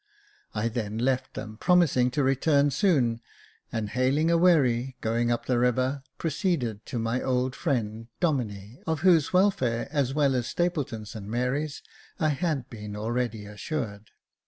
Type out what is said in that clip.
I then left them, promising to return soon, and, hailing a wherry going up the river, proceeded to my old friend Domine, of whose welfare, as well as Stapleton's and Mary's, I had been already assured.